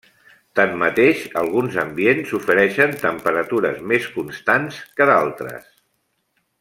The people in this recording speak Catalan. Tanmateix alguns ambients ofereixen temperatures més constants que d'altres.